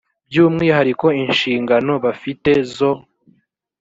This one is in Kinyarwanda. bw umwihariko inshingano bafite zo